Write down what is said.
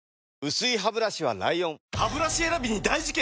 薄いハブラシは ＬＩＯＮハブラシ選びに大事件！